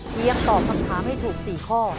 เพียงตอบคำถามให้ถูก๔ข้อ